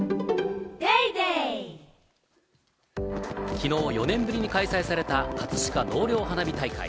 きのう４年ぶりに開催された葛飾納涼花火大会。